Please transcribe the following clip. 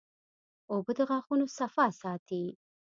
اوبه د غاښونو صفا ساتي